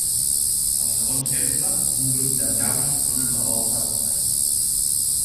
Al segon cercle, un grup de braus donen la volta al plat.